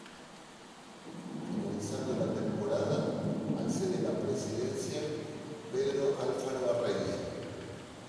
Finalizando la temporada accede a la presidencia Pedro Alfaro Arregui.